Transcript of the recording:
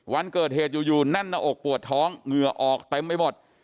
วันเกิดเหตุอยู่แน่นหน้าอกปวดท้องเหงื่อออกเต็มไปหมด